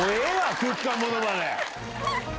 空気感ものまね。